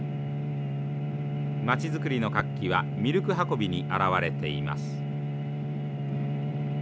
町づくりの活気はミルク運びに表れています。